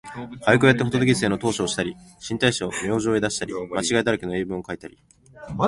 俳句をやってほととぎすへ投書をしたり、新体詩を明星へ出したり、間違いだらけの英文をかいたり、